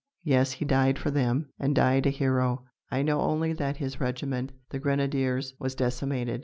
Yes, he died for them, and died a hero! I know only that his regiment, the Grenadiers, was decimated.